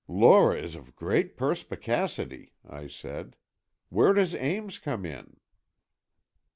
"Lora is of great perspicacity," I said. "Where does Ames come in?"